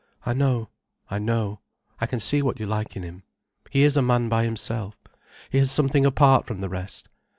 "I know—I know. I can see what you like in him. He is a man by himself, he has something apart from the rest."